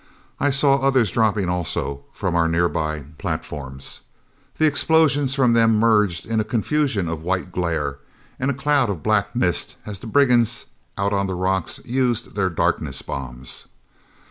I saw others dropping also from our nearby platforms. The explosions from them merged in a confusion of the white glare and a cloud of black mist as the brigands out on the rocks used their darkness bombs.